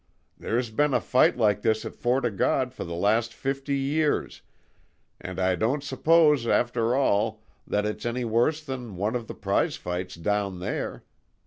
There's been a fight like this at Fort O' God for the last fifty years, and I don't suppose, after all, that it's any worse than one of the prize fights down there.